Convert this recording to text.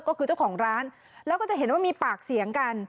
ก็คือเจ้าของร้านแล้วก็จะเห็นว่ามีปากเสียงกัน